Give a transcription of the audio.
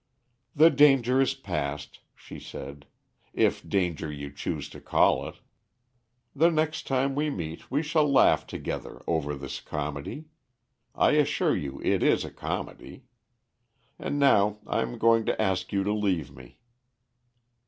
"The danger is past," she said, "if danger you choose to call it. The next time we meet we shall laugh together over this comedy. I assure you it is a comedy. And now I am going to ask you to leave me."